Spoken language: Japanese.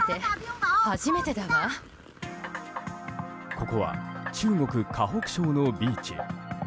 ここは中国河北省のビーチ。